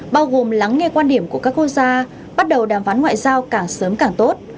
bao gồm lắng nghe quan điểm của các quốc gia bắt đầu đàm phán ngoại giao càng sớm càng tốt